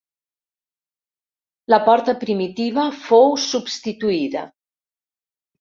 La porta primitiva fou substituïda.